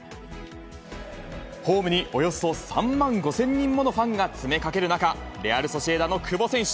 ホームにおよそ３万５０００人ものファンが詰めかける中、レアル・ソシエダの久保選手。